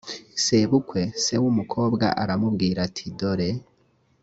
sebukwe se w umukobwa aramubwira ati dore